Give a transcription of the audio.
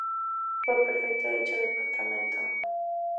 Fue prefecto de dicho departamento.